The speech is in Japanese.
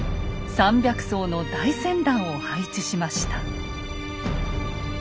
３００艘の大船団を配置しました。